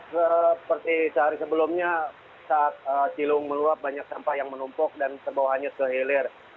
seperti sehari sebelumnya saat ciliwung meluap banyak sampah yang menumpuk dan terbawahnya terhilir